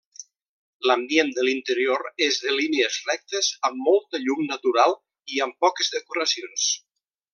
L'ambient de l'interior és de línies rectes amb molta llum natural i amb poques decoracions.